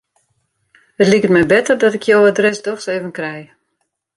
It liket my better dat ik jo adres dochs even krij.